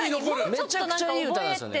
めちゃくちゃいい歌なんですよね。